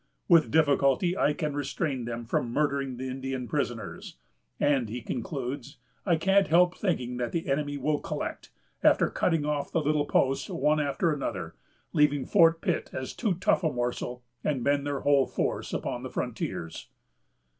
With difficulty I can restrain them from murdering the Indian prisoners." And he concludes: "I can't help thinking that the enemy will collect, after cutting off the little posts one after another, leaving Fort Pitt as too tough a morsel, and bend their whole force upon the frontiers."